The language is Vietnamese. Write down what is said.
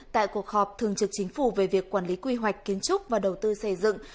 tại cuộc họp thường trực chính phủ về việc quản lý quy hoạch kiến trúc và đầu tư xây dựng